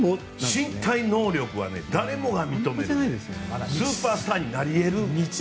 身体能力は誰もが認めるんですスーパースターになり得る。